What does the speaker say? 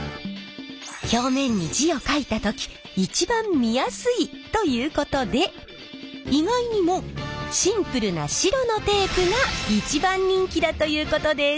表面に字を書いた時一番見やすいということで意外にもシンプルな白のテープが一番人気だということです！